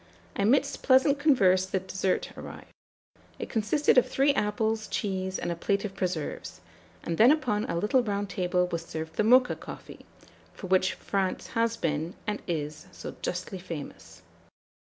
Amidst pleasant converse the dessert arrived. It consisted of three apples, cheese, and a plate of preserves; and then upon a little round table was served the Mocha coffee, for which France has been, and is, so justly famous.